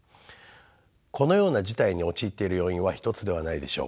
このような事態に陥っている要因は１つではないでしょう。